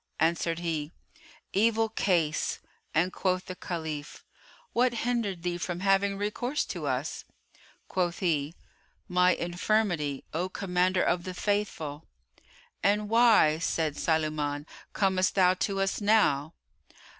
Answered he, "Evil case," and quoth the Caliph, "What hindered thee from having recourse to us?" Quoth he, "My infirmity, O Commander of the Faithful!" "And why," said Sulayman, "comest thou to us now?"